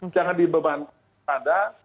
jangan dibebantai pada